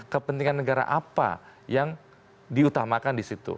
kepentingan negara apa yang diutamakan disitu